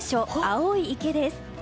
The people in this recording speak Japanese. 青い池です。